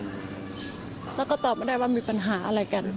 แล้วก็ตอบไม่ได้ว่ามีปัญหาอะไรกัน